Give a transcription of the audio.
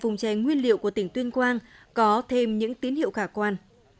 những vùng trẻ nguyên liệu của tỉnh tuyên quang có thêm những tín hiệu khả quan